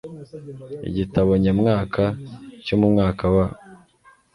Igitabo nyamwaka cyo mu mwaka wa